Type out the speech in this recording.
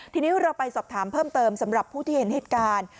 ทีนี้เราไปสอบถามเพิ่มเติมสำหรับผู้ที่เห็นเหตุการณ์